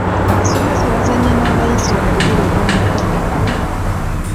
Abasomesa bazannye n'abayizi omupiira ogw’omukwano.